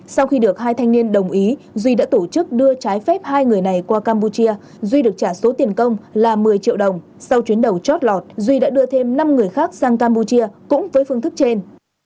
sau khi được hai thanh niên đồng ý duy đã tổ chức đưa trái phép hai người này qua campuchia duy được trả số tiền công là một mươi triệu đồng sau chuyến đầu chót lọt duy đã đưa thêm năm người khác sang campuchia cũng với phương thức trên